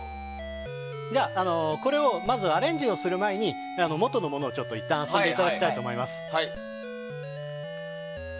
これをまずアレンジする前に元のものをいったん遊んでいただきたいと思います。